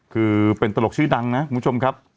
คือเป็นตลกชื่อดังนะคุณผู้ชมครับ